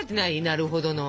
なるほどの。